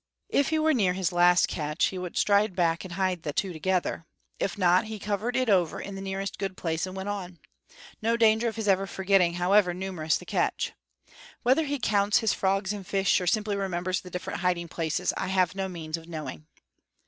If he were near his last catch, he would stride back and hide the two together; if not, he covered it over in the nearest good place and went on. No danger of his ever forgetting, however numerous the catch! Whether he counts his frogs and fish, or simply remembers the different hiding places, I have no means of knowing.